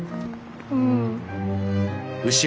うん。